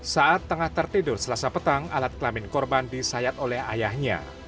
saat tengah tertidur selasa petang alat kelamin korban disayat oleh ayahnya